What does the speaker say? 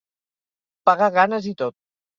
Pagar ganes i tot.